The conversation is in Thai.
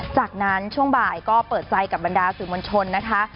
จากนั้นช่วงบ่ายก็เปิดใจกับบรรดาสื่อมวลชนนะคะ